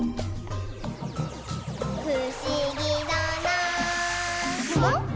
「ふしぎだなぁ」